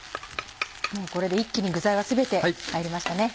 もうこれで一気に具材は全て入りましたね。